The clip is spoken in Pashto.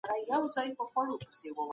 مشاورین به نړیوالي اړیکي پیاوړي کړي.